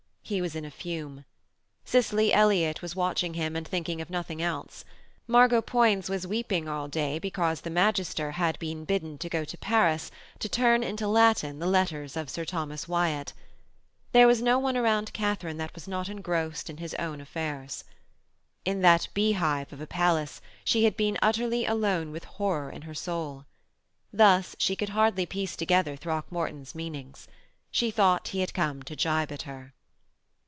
He was in a fume. Cicely Elliott was watching him and thinking of nothing else, Margot Poins was weeping all day, because the magister had been bidden to go to Paris to turn into Latin the letters of Sir Thomas Wyatt. There was no one around Katharine that was not engrossed in his own affairs. In that beehive of a place she had been utterly alone with horror in her soul. Thus she could hardly piece together Throckmorton's meanings. She thought he had come to gibe at her.